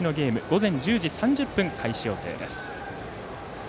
午前１０時３０分開始予定です。